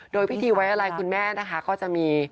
โดยพิธีไว้อะไรคุณแม่นะคะก็จะมี